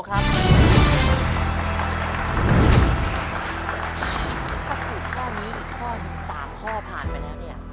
ถ้าถูกข้อนี้อีกข้อหนึ่ง๓ข้อผ่านไปแล้วเนี่ย